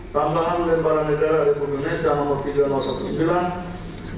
tambahan lembaga negara republik indonesia no tiga no satu